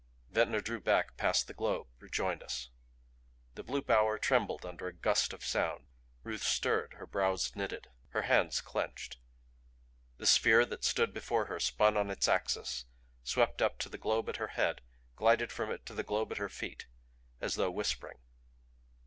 Ventnor drew back past the globe; rejoined us. The blue bower trembled under a gust of sound. Ruth stirred; her brows knitted; her hands clenched. The sphere that stood before her spun on its axis, swept up to the globe at her head, glided from it to the globe at her feet as though whispering.